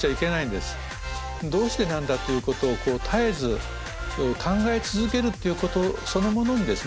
どうしてなんだということを絶えず考え続けるっていうことそのものにですね